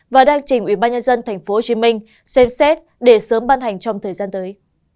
và đang trình ubnd tp hcm xem xét để sớm ban hành trong thời gian tới